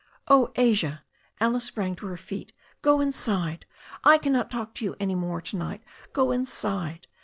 "Oh, Asia" — ^Alice sprang to her feet — ^"go inside! I cannot talk to you any more to night Go inside.